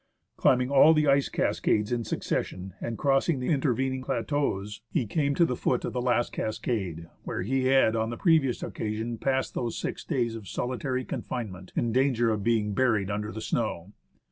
Climbing all the ice cascades in succession, and crossing the in tervening plateaux, he came to the foot of the last cascade, where he had on the previous occasion passed those six days of solitary confinement, in danger of being buried under the snow.